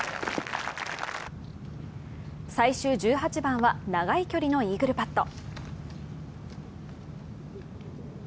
最終１８番は長い距離のイーグルパット。